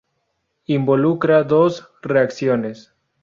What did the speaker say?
Involucra dos reacciones.